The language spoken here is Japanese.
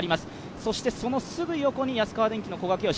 そしてそのすぐ横に安川電機の古賀淳紫。